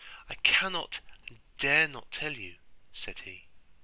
'I cannot and dare not tell you,' said he.